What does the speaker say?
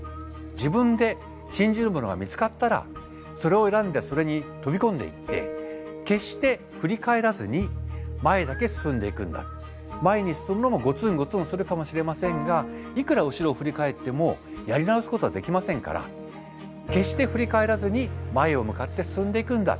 自分で信じるものが見つかったらそれを選んでそれに飛び込んでいって前に進むのもゴツンゴツンするかもしれませんがいくら後ろを振り返ってもやり直すことはできませんから決して振り返らずに前を向かって進んでいくんだ。